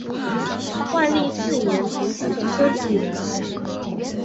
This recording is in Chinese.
万历四年丙子科举人。